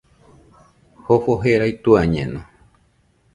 Jofo jerai tuañeno